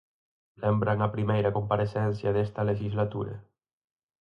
¿Lembran a primeira comparecencia desta lexislatura?